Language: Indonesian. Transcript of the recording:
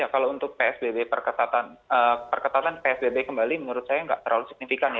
kalau untuk psbb perketatan psbb kembali menurut saya nggak terlalu signifikan ya